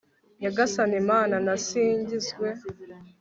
nyagasani mana, nasingizwe